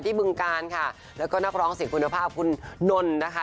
บึงการค่ะแล้วก็นักร้องเสียงคุณภาพคุณนนท์นะคะ